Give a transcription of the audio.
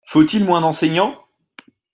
Faut-il moins d’enseignants?